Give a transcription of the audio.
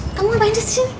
kamu ngapain disini